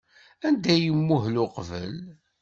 Anda ay imuhel uqbel?